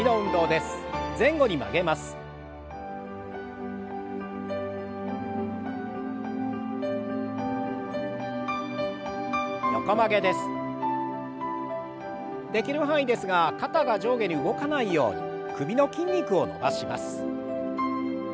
できる範囲ですが肩が上下に動かないように首の筋肉を伸ばします。